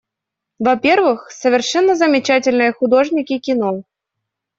Во-первых, совершенно замечательные художники кино.